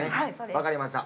分かりました。